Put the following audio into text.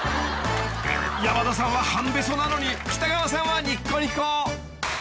［山田さんは半べそなのに北川さんはにっこにこ］